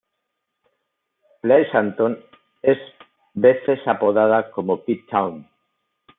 Pleasanton es veces apodada como "P-town".